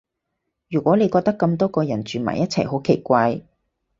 如果你覺得咁多個人住埋一齊好奇怪